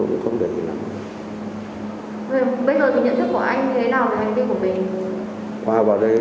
thì không có việc thiết yếu người dân hạn chế đi ra ngoài tường hay không